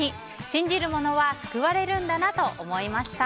信じる者は救われるんだなと思いました。